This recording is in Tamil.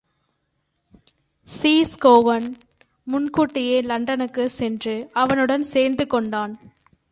ஸீன் ஹோகன் முன்கூட்டியே லண்டனுக்குச் சென்று அவனுடன் சேர்ந்து கொண்டான்.